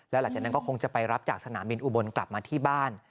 แล้วหลังจากนั้นก็คงจะไปรับจากสนามบินอุบลกลับมาที่บ้าน